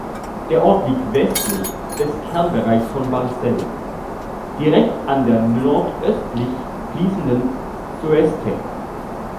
Der Ort liegt westlich des Kernbereichs von Barßel direkt an der nordöstlich fließenden Soeste.